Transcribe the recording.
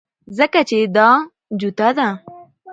ځکه چې دا جوته ده